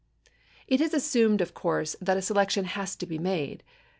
It is assumed, of course, that a selection has to be made.